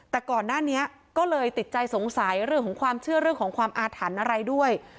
แต่ก่อนหน้านี้ก็เลยติดใจสงสัยเรื่องของความเชื่อเรื่องของความอาถรรพ์อะไรด้วย